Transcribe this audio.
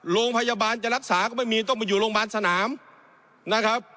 โรงพยาบาลจะรักษาก็ไม่มีต้องไปอยู่โรงพยาบาลสนามนะครับ